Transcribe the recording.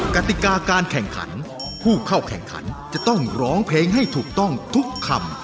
กติกาการแข่งขันผู้เข้าแข่งขันจะต้องร้องเพลงให้ถูกต้องทุกคำ